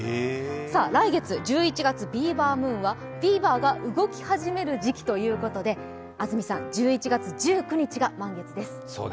来月、１１月ビーバームーンはビーバーが動き始める時期ということで、１１月１９日が満月です。